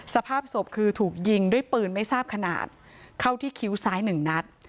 สภาพศพคือถูกยิงด้วยปืนไม่ทราบขนาดเข้าที่คิ้วซ้ายหนึ่งนัด